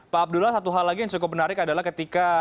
pak abdullah satu hal lagi yang cukup menarik adalah ketika